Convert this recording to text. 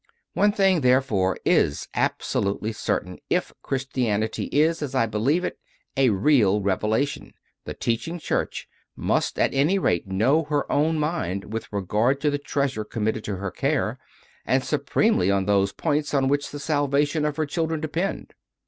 One thing, therefore, is absolutely certain that if Christianity is, as I believe it, a real Revela tion, the Teaching Church must at any rate know her own mind with regard to the treasure committed to her care, and supremely on those points on which the salvation of her children depends.